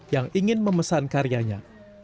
yang ingin memesan karyanya